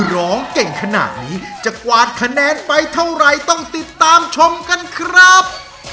ร้องเก่งขนาดนี้จะกวาดคะแนนไปเท่าไรต้องติดตามชมกันครับ